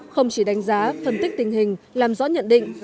không chỉ đánh giá phân tích tình hình làm rõ nhận định